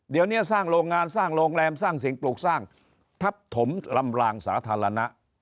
เดี๋ยวนี้สร้างโรงงานสร้างโรงแรมสร้างสิ่งปลูกสร้างทับถมลำลางสาธารณะ